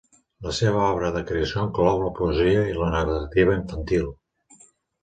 La seva obra de creació inclou la poesia i la narrativa infantil.